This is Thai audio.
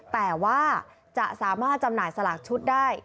แต่ว่าจะสามารถจำหน่ายสลากชุดได้